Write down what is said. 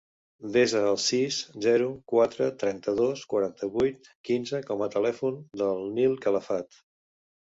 Desa el sis, zero, quatre, trenta-dos, quaranta-vuit, quinze com a telèfon del Nil Calafat.